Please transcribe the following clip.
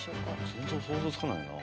全然想像つかないな。